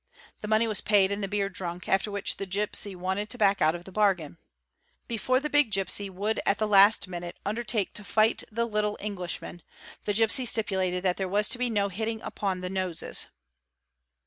The money was paid and the beer drunk, after which the gipsy wanted to back out of the bargain. Before the big gipsy would at the last minute undertake to fight the little Englishman, the gipsy stipulated that there was to be 'no hitting upon the noses.